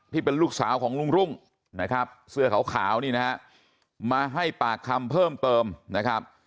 ที่เป็นลูกสาวของลุงรุ่งนะครับเสื้อขาวนี่นะฮะมาให้ปากคำเพิ่มเติมนะครับ